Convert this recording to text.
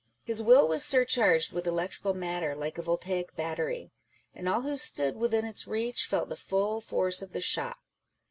His will was surcharged with electrical matter like a voltaic battery ; and all who stood within its reach felt the full force of the shock.